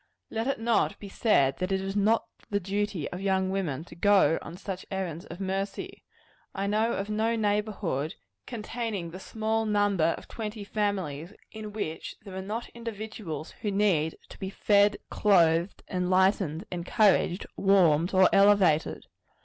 Let it not be said that it is not he duty of young women to go on such errands of mercy. I know of no neighborhood, containing the small number of twenty families, in which there are not individuals who need to be fed, clothed, enlightened, encouraged, warmed or elevated.